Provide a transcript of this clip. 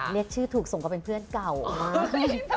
เน็ตชื่อถูกส่งเขาเป็นเพื่อนเก่ามาก